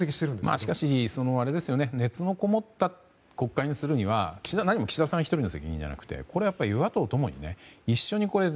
しかし熱のこもった国会にするには何も岸田さん１人の責任ではなくてこれは与野党ともに一緒に。